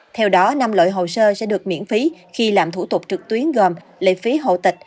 theo đó năm loại hồ sơ sẽ được miễn phí khi làm thủ tục trực tuyến gồm lệ phí hộ tịch